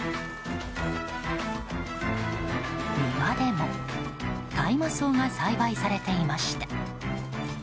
庭でも大麻草が栽培されていました。